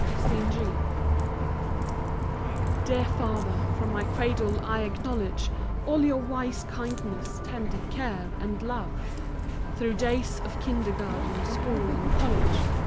WOMEN TO MEN † Dear father, from my cradle I acknowledge All your wise kindness, tender care, and love, Through days of kindergarten, school and college.